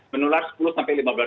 menular sekitar tiga puluh